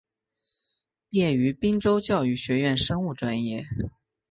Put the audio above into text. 毕业于滨州教育学院生物专业。